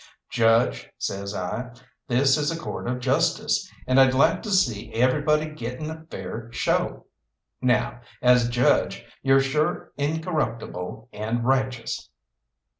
"Judge," says I, "this is a court of justice, and I'd like to see everybody getting a fair show. Now, as judge, you're sure incorruptible and righteous."